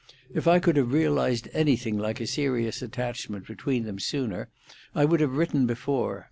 If I could have realised anything like a serious attachment between them sooner, I would have written before.